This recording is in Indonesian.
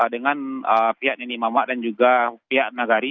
dengan pihak neni mama dan juga pihak nagari